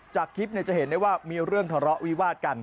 จากคลิปจะเห็นได้ว่ามีเรื่องทะเลาะวิวาดกัน